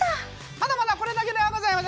まだまだこれだけではございません。